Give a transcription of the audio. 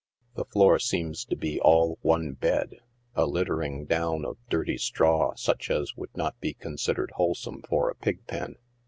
The floor seems to be all one bed — a lit tering down of dirty straw such as would not be considered whole some for a pig pen.